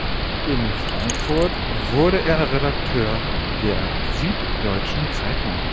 In Frankfurt wurde er Redakteur der "Süddeutschen Zeitung".